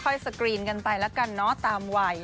สกรีนกันไปแล้วกันเนอะตามวัย